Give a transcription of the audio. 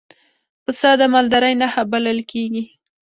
پسه د مالدارۍ نښه بلل کېږي.